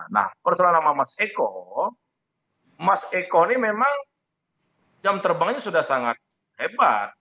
nah persoalan nama mas eko mas eko ini memang jam terbangnya sudah sangat hebat